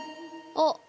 あっ。